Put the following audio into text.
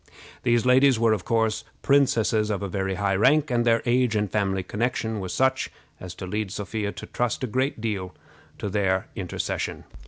These ladies were, of course, princesses of very high rank, and their age and family connection were such as to lead Sophia to trust a great deal to their intercession.